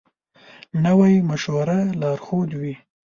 نوی مشوره لارښود وي